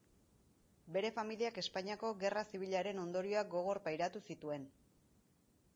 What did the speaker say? Bere familiak Espainiako Gerra Zibilaren ondorioak gogor pairatu zituen.